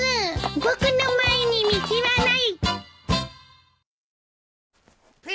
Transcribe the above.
「僕の前に道はない」